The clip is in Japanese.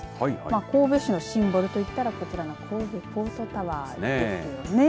神戸市のシンボルと言ったらこちらの神戸ポートタワーですね。